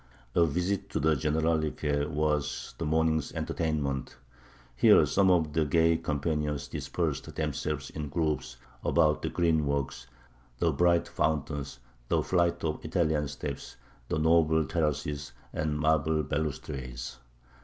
A visit to the Generalife was the morning's entertainment. Here some of the gay companions dispersed themselves in groups about the green walks, the bright fountains, the flight of Italian steps, the noble terraces, and marble balustrades.